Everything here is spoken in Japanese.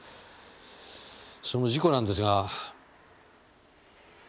その事故なんですが。